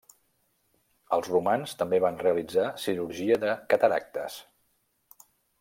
Els romans també van realitzar cirurgia de cataractes.